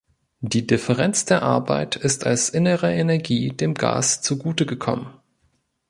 Die Differenz der Arbeit ist als innere Energie dem Gas zugutegekommen.